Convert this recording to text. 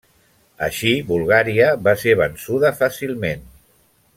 Així, Bulgària va ser vençuda fàcilment.